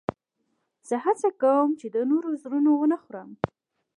زه هڅه کوم، چي د نورو زړونه و نه خورم.